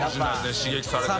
刺激されてね。